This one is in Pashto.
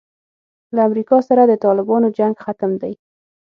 له امریکا سره د طالبانو جنګ ختم دی.